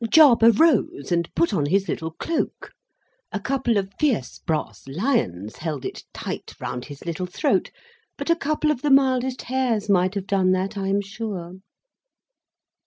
Jarber rose and put on his little cloak. A couple of fierce brass lions held it tight round his little throat; but a couple of the mildest Hares might have done that, I am sure.